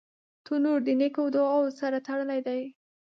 تنور د نیکو دعاوو سره تړلی دی